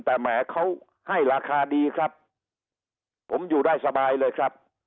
แต่แหมเขาให้ราคาดีครับผมอยู่ได้สบายเลยครับ